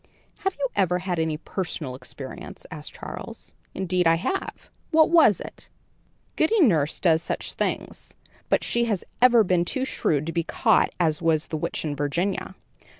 "Have you ever had any personal experience?" asked Charles. "Indeed I have." "What was it?" "Goody Nurse does such things; but she has ever been too shrewd to be caught as was the witch in Virginia."